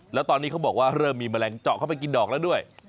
แล้วตอนนี้เขาบอกว่าเริ่มมีแมลงเจาะเข้าไปกินดอกแล้วด้วย